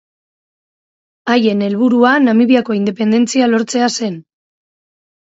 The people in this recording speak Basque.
Haien helburua Namibiako independentzia lortzea zen.